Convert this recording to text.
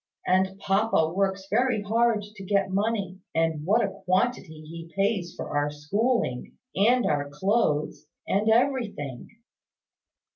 And papa works very hard to get money; and what a quantity he pays for our schooling, and our clothes, and everything!"